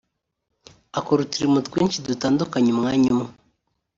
akora uturimo twinshi dutandukanye umwanya umwe